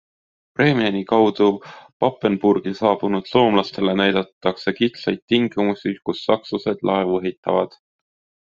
Bremeni kaudu Papenburgi saabunud soomlastele näidatakse kitsaid tingimusi, kus sakslased laevu ehitavad.